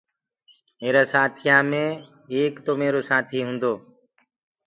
ميرآ سآٿيآ مي ايڪ تو ميرو سآٿيٚ هونٚدو